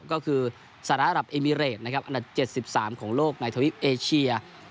ก็คือศาสตราหรับอมีเรดอันดับ๗๓ของโลกด้วยทวีปเอเชีย